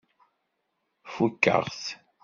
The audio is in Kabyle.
Fukeɣ-t.